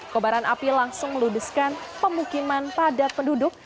kebakaran api langsung meludiskan pemukiman padat penduduk